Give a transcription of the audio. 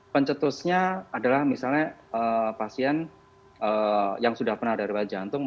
pencetusnya adalah misalnya pasien yang sudah pernah darurat jantung